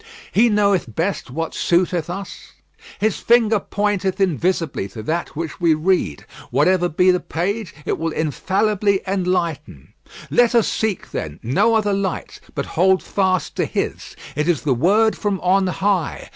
He knoweth best what suiteth us. His finger pointeth invisibly to that which we read. Whatever be the page, it will infallibly enlighten. Let us seek, then, no other light; but hold fast to His. It is the word from on high.